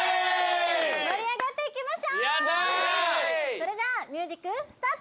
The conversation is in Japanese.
それじゃミュージックスタート！